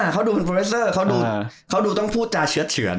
เขาดูเป็นโปรเลเซอร์เขาดูต้องพูดจาเชื้อเฉือน